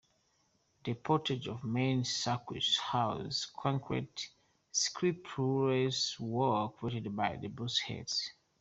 The Portage and Main Circus houses a concrete sculptural wall created by Bruce Head.